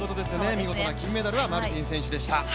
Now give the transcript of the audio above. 見事な金メダルはマルティン選手でした。